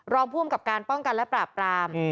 รองผู้อำกับการป้องกันและปราบปราม